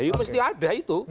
ya mesti ada itu